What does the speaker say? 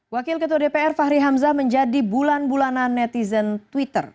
wakil ketua dpr fahri hamzah menjadi bulan bulanan netizen twitter